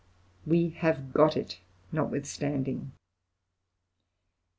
We have got it, notwithstanding.